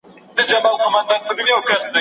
پياوړې مدني ټولنه د رژيم پر پرېکړو ژور اغېز کوي.